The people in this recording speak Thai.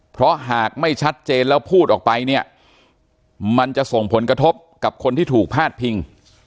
เพราะหากไม่ชัดเจนแล้วพูดออกไปเนี่ยมันจะส่งผลกระทบกับคนที่ถูกพาดพิง